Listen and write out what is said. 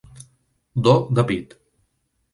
Do de pit.